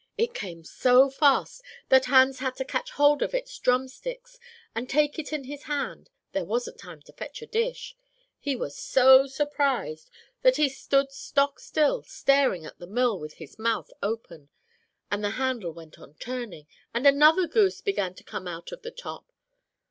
It came so fast that Hans had to catch hold of its drumsticks and take it in his hand, there wasn't time to fetch a dish. He was so surprised that he stood stock still, staring at the mill with his mouth open, and the handle went on turning, and another goose began to come out of the top.